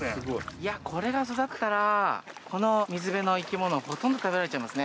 いやこれが育ったらこの水辺の生き物ほとんど食べられちゃいますね。